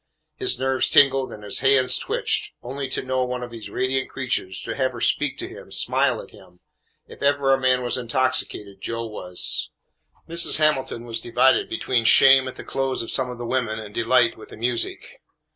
His nerves tingled and his hands twitched. Only to know one of those radiant creatures, to have her speak to him, smile at him! If ever a man was intoxicated, Joe was. Mrs. Hamilton was divided between shame at the clothes of some of the women and delight with the music.